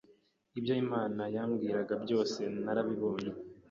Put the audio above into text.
ibyo Imana yambwiraga byose narabibonye